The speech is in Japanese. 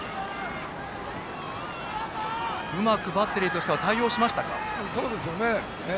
うまくバッテリーとしては対応しましたか。